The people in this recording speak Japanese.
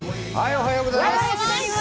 おはようございます。